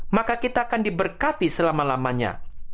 maka kita akan diberkati selama lamanya